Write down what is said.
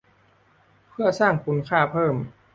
เพื่อสร้างคุณค่าเพิ่ม